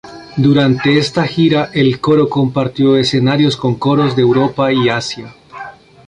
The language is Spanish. Durante esta gira el coro compartió escenario con coros de Europa y Asia.